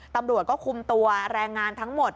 ตำรวจก็คุมตัวแรงงานทั้งหมด